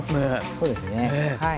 そうですねはい。